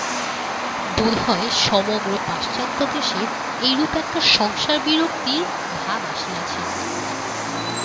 বোধ হয় সমগ্র পাশ্চাত্যদেশে এইরূপ একটা সংসার-বিরক্তির ভাব আসিয়াছে।